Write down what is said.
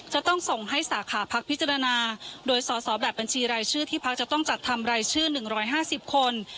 จะต้องส่งให้สาขาพักพิจารณาโดยสอสอแบบบัญชีรายชื่อที่พักจะต้องจัดทำรายชื่อ๑๕๐คน